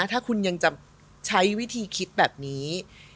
ถ้าคุณยังจะใช้วิธีคิดแบบนี้